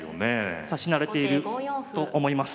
指し慣れていると思います。